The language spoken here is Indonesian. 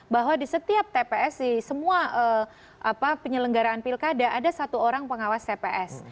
bahwa di setiap tps di semua penyelenggaraan pilkada ada satu orang pengawas tps